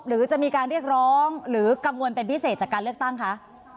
หรือจะมีการเรียกร้องหรือกังวลเป็นพิเศษจากการเลือกตั้งคะ